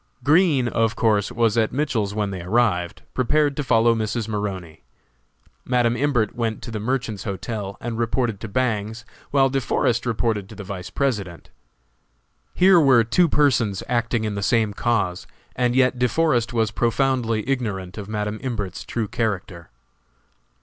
Green, of course, was at Mitchell's when they arrived, prepared to follow Mrs. Maroney. Madam Imbert went to the Merchants's Hotel and reported to Bangs, while De Forest reported to the Vice President. Here were two persons acting in the same cause, and yet De Forest was profoundly ignorant of Madam Imbert's true character.